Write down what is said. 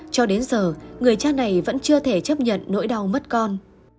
cho đến giờ người cha này vẫn chưa thể chấp nhận nỗi đau mất con